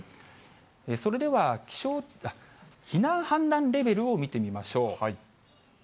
それでは、避難氾濫レベルを見てみましょう。